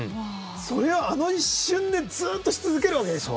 それをあの一瞬でずっとし続けるわけでしょ？